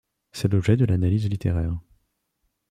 C'est l'objet de l'analyse littéraire.